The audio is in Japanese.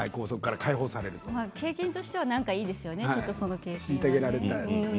経験としてはいいですよね。